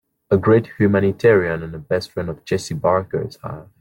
A great humanitarian and the best friend the Jessie Bakers have.